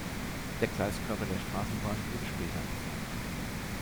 Der Gleiskörper der Straßenbahn wurde später entfernt.